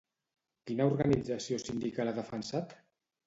Quina organització sindical ha defensat?